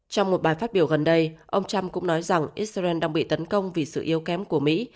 trong một bài phát biểu gần đây ông trump cũng nói rằng israel đang bị tấn công vì sự yêu kém của mỹ